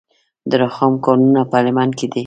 د رخام کانونه په هلمند کې دي